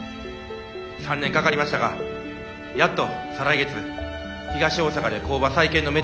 ３年かかりましたがやっと再来月東大阪で工場再建のめどが立ちました。